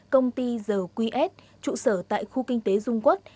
công ty the qs trụ sở tại khu kinh tế dung quốc